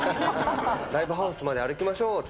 ライブハウスまで歩きましょうって